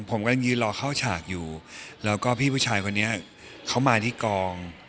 ผมกำลังยืนรอเข้าฉากอยู่แล้วก็พี่ผู้ชายคนนี้เขามาที่กอง